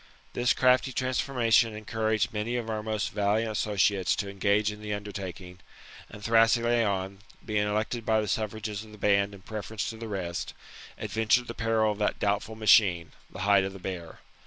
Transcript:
This crafty transformation encouraged many of our most valiant associates to engage in the undertaking ; and Thrasyleon, being elected by the suffrages of the band in preference to the rest, adventured the peril of that doubtful machine [the hide of the bear.